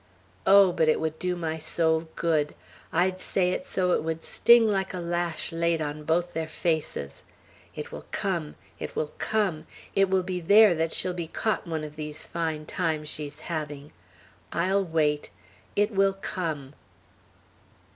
Oh, but it would do my soul good! I'd say it so it would sting like a lash laid on both their faces! It will come! It will come! It will be there that she'll be caught one of these fine times she's having! I'll wait! It will come!"